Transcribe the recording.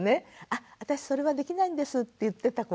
「あ私それはできないんです」って言ってた子がね